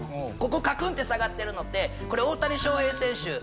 ここカクンて下がってるのって大谷翔平選手